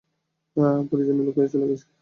পরিজনের লোকেরা চলে গেছে।